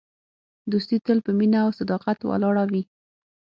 دوستي تل په مینه او صداقت ولاړه وي.